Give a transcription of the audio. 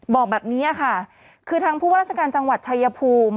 บอกแบบนี้ค่ะคือทางผู้ว่าราชการจังหวัดชายภูมิ